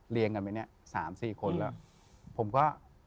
เรียงกันไว้นี่๓๔คนแล้ว